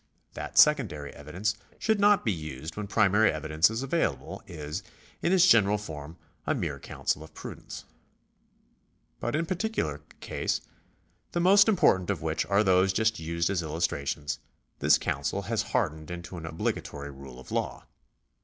That secondary evidence should not be used when primary evidence is available is, in its general form, a mere counsel of prudence ; but in particular cases, the most important of which are those just used as illustrations, this counsel has hardened into an obligatory rule of law.